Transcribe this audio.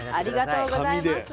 ありがとうございます。